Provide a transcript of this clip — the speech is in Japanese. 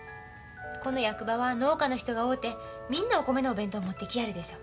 この役場は農家の人が多うてみんなお米のお弁当持ってきやるでしょ。